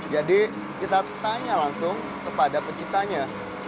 jadi kita tanya langsung kepada penciptanya